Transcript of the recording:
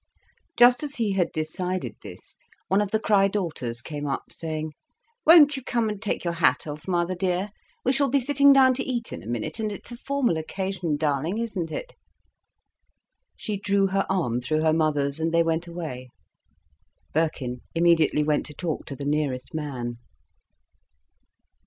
Just as he had decided this, one of the Crich daughters came up, saying: "Won't you come and take your hat off, mother dear? We shall be sitting down to eat in a minute, and it's a formal occasion, darling, isn't it?" She drew her arm through her mother's, and they went away. Birkin immediately went to talk to the nearest man.